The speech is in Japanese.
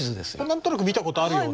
何となく見たことあるような。